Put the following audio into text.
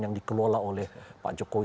yang dikelola oleh pak jokowi